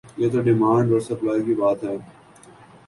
یہ تو ڈیمانڈ اور سپلائی کی بات ہے۔